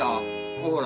ほら。